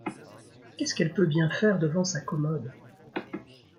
Qu’est-ce qu’elle peut bien faire devant sa commode ?